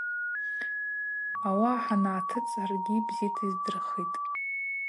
Ауаъа хӏангӏатыцӏ саргьи бзита йыздырхитӏ.